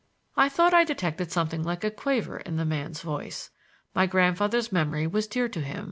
I thought I detected something like a quaver in the man's voice. My grandfather's memory was dear to him.